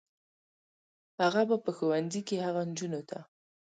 هغه به په ښوونځي کې هغو نجونو ته